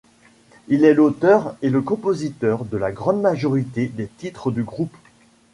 Il est l'auteur et le compositeur de la grande majorité des titres du groupe.